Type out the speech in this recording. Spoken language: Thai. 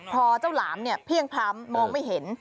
พอเจ้าหลามเนี่ยเพลี่ยงพล้ำมองไม่เห็น